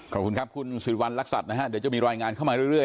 ขอบคุณครับคุณสิริวัณรักษัตริย์นะฮะเดี๋ยวจะมีรายงานเข้ามาเรื่อย